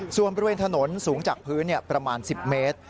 ส่วนบริเวณถนนสูงจากพื้นประมาณ๑๐เมตร